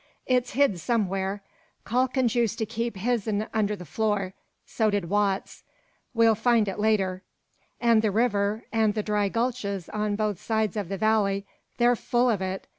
It's hid somewhere. Calkins used to keep his'n under the floor. So did Watts. We'll find it later. An' the river, an' the dry gulches on both sides of the valley they're full of it!